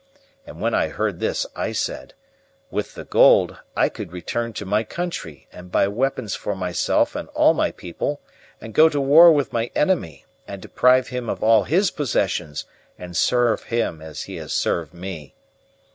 And when I heard this I said: 'With the gold I could return to my country, and buy weapons for myself and all my people and go to war with my enemy and deprive him of all his possessions and serve him as he served me.